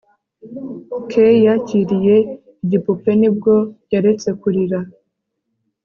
kay yakiriye igipupe ni bwo yaretse kurira